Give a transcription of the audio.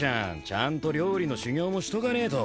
ちゃんと料理の修業もしとかねえと。